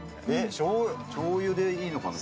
しょうゆでいいのかな。